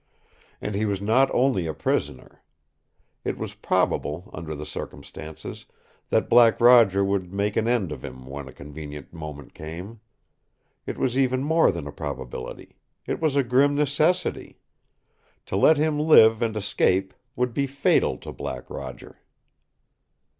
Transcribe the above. And he was not only a prisoner. It was probable, under the circumstances, that Black Roger would make an end of him when a convenient moment came. It was even more than a probability. It was a grim necessity. To let him live and escape would be fatal to Black Roger.